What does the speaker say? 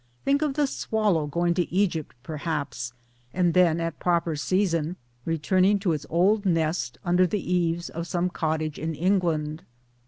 Think of the Swallow going to Egypt perhaps, and then at proper season returning to its old nest under the eaves of some cottage in England.